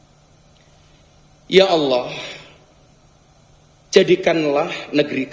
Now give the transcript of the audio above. bangsa yang sholeh dan taat pada kehendakmu dan perikanlah perdanjutan yang lurus untuk